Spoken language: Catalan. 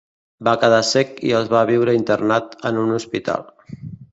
Va quedar cec i els va viure internat en un hospital.